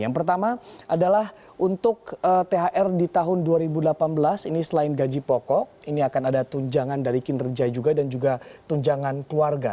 yang pertama adalah untuk thr di tahun dua ribu delapan belas ini selain gaji pokok ini akan ada tunjangan dari kinerja juga dan juga tunjangan keluarga